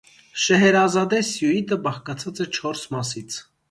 «Շեհերազադե» սյուիտը բաղկացած է չորս մասից։